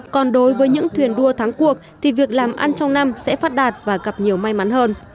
còn đối với những thuyền đua tháng cuộc thì việc làm ăn trong năm sẽ phát đạt và gặp nhiều may mắn hơn